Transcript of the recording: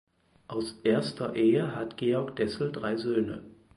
Aus erster Ehe hat Georg Dessel drei Söhne.